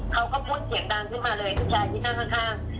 เขาก็พูดเสียงดังขึ้นมาเลยผู้ชายที่นั่งข้าง